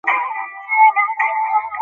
তুমি শুনে হাসবে মা, গোরা আমার ঘরে জল খায় না।